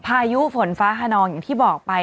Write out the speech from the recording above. พายุฝนฟ้าขนองอย่างที่บอกไป